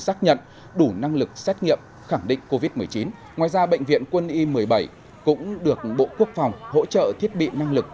xác nhận đủ năng lực xét nghiệm khẳng định covid một mươi chín ngoài ra bệnh viện quân y một mươi bảy cũng được bộ quốc phòng hỗ trợ thiết bị năng lực